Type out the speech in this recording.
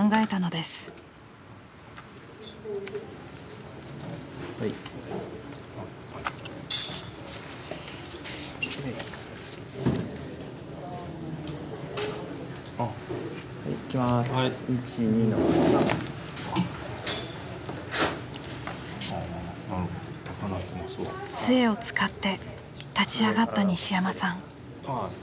杖を使って立ち上がった西山さん。